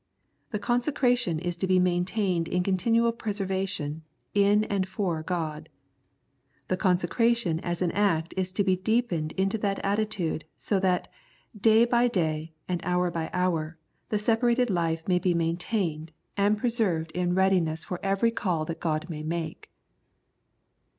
The consecration is to be maintained in continual preservation, in and for God. The consecration as an act is to be deepened into an attitude, so that, day by day, and hour by hour, the separated life may be maintained, and preserved in 19 The Prayers of St. Paul readiness for every call that God may make.